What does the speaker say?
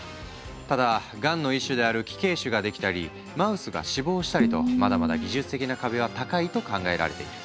ただがんの一種である奇形腫が出来たりマウスが死亡したりとまだまだ技術的な壁は高いと考えられている。